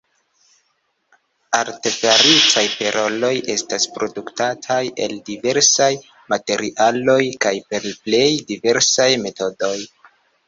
Artefaritaj perloj estas produktataj el diversaj materialoj kaj per plej diversaj metodoj.